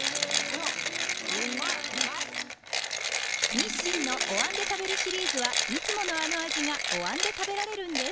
日清のお椀で食べるシリーズはいつものあの味がお椀で食べられるんです